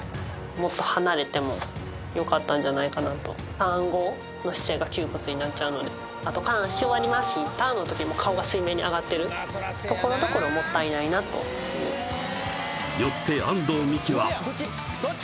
もっと離れてもよかったんじゃないかなとターン後の姿勢が窮屈になっちゃうのであとターンし終わりましたのときもう顔が水面に上がってるところどころもったいないなとよって安藤美姫はどっち？